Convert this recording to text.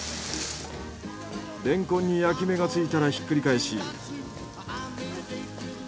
レンコンに焼き目がついたらひっくり返し。